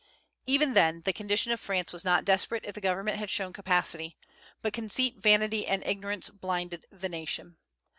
Even then the condition of France was not desperate if the government had shown capacity; but conceit, vanity, and ignorance blinded the nation.